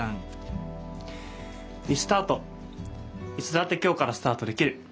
いつだって今日からスタートできる。